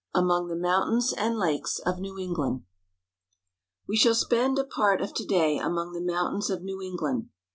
AMONG THE MOUNTAINS AND LAKES OF NEW ENGLAND. WE shall spend a part of to day amongfhe mountains of New England.